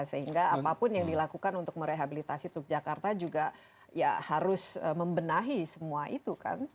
sehingga apapun yang dilakukan untuk merehabilitasi teluk jakarta juga ya harus membenahi semua itu kan